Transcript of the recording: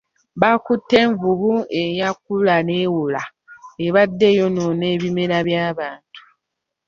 Bakutte envubu eyakula newola ebadde eyonoona ebimera by'abantu.